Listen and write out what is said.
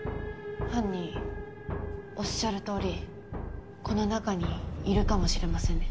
犯人おっしゃる通りこの中にいるかもしれませんね。